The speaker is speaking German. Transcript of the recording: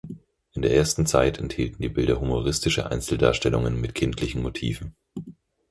In der ersten Zeit enthielten die Bilder humoristische Einzeldarstellungen mit kindlichen Motiven.